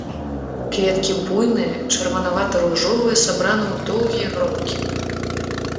Кветкі буйныя, чырванавата-ружовыя, сабраны ў доўгія гронкі.